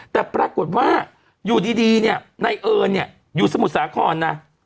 แต่ปรากฏว่าอยู่ดีเนี่ยในเอิญเนี่ยอยู่สมุทรสาครนะ